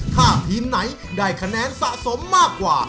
ถ้าทีมไหนได้คะแนนสะสมมากกว่า